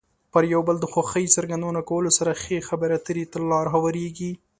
پر یو بل د خوښۍ څرګندونه کولو سره ښې خبرې اترې ته لار هوارېږي.